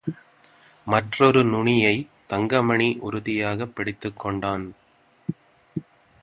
மற்றொரு நுனியைத் தங்கமணி உறுதியாகப் பிடித்துக்கொண்டான்.